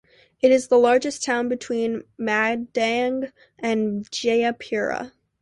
It is the largest town between Madang and Jayapura.